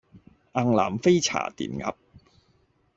雁南飛茶田鴨